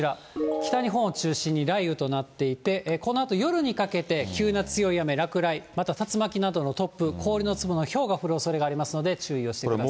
北日本を中心に雷雨となっていて、このあと夜にかけて、急な強い雨、落雷、また竜巻などの突風、氷の粒のひょうが降るおそれがありますので、注意をしてください。